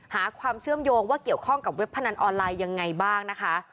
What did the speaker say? หาความเชื่อมโยงว่าเกี่ยวข้องกับเว็บพนันออนไลน์ยังไงบ้างนะคะ